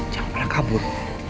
jangan pernah kabur